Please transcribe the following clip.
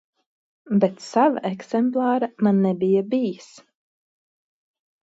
Bet sava eksemplāra man nebija bijis.